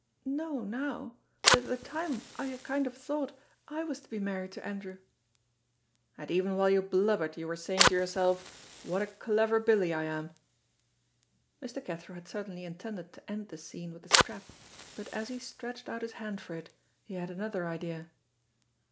"No now, but at the time I a kind of thought I was to be married to Andrew." "And even while you blubbered you were saying to yourself, 'What a clever billie I am!'" Mr. Cathro had certainly intended to end the scene with the strap, but as he stretched out his hand for it he had another idea.